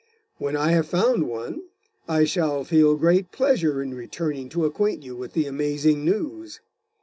When I have found one, I shall feel great pleasure in returning to acquaint you with the amazing news.